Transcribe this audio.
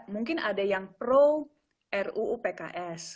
mungkin ada yang pro ruu pks